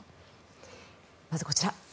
まずこちら。